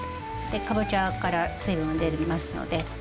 かぼちゃから水分が出ますので。